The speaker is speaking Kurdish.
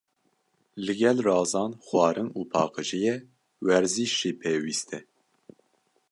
Li gel razan, xwarin û paqijiyê, werzîş jî pêwîst e.